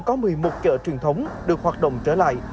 có một mươi một chợ truyền thống được hoạt động trở lại